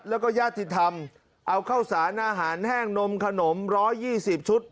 แล้วก็ญาติธรรมเอาข้าวสารอาหารแห้งนมขนม๑๒๐ชุด